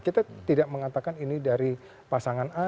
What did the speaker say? kita tidak mengatakan ini dari pasangan a